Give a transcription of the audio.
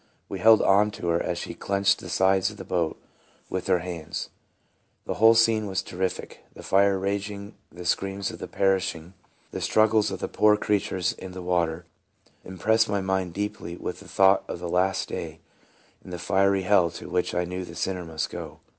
We held on to her as she clenched the sides of the boat with her hands. The whole scene was terrific. The fire raging, the screams of the perishing, 6 42 TRANSFORMED. the struggles of the poor creatures in the water, 'impressed my mind deeply with the thought of the last day and the fiery hell to which I knew the sinner must go.